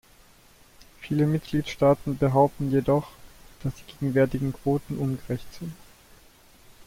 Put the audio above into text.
Viele Mitgliedstaaten behaupten jedoch, dass die gegenwärtigen Quoten ungerecht sind.